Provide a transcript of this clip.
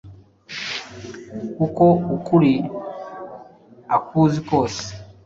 kuko ukuri akuzi kose